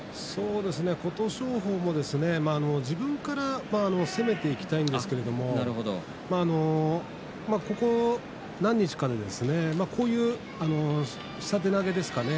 琴勝峰も自分から攻めていきたいんですけれどここ何日かでこういう下手投げですかね。